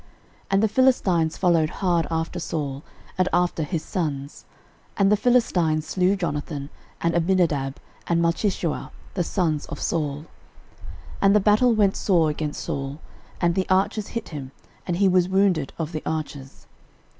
13:010:002 And the Philistines followed hard after Saul, and after his sons; and the Philistines slew Jonathan, and Abinadab, and Malchishua, the sons of Saul. 13:010:003 And the battle went sore against Saul, and the archers hit him, and he was wounded of the archers.